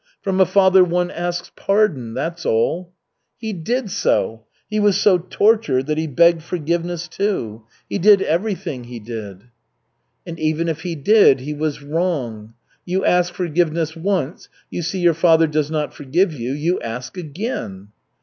From a father one asks pardon, that's all." "He did so. He was so tortured that he begged forgiveness, too. He did everything, he did." "And even if he did, he was wrong. You ask forgiveness once, you see your father does not forgive you, you ask again!"